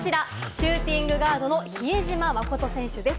シューティングガードの比江島慎選手です。